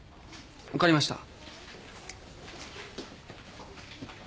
分かりました。